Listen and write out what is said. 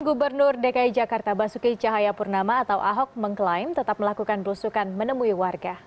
gubernur dki jakarta basuki cahayapurnama atau ahok mengklaim tetap melakukan belusukan menemui warga